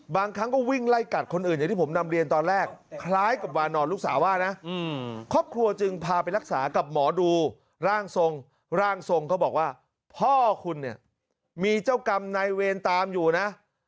ร่างทรงเขาบอกว่าพ่อคุณเนี่ยมีเจ้ากรรมนายเวรตามอยู่นะ